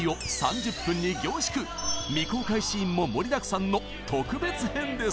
未公開シーンも盛りだくさんの特別編です！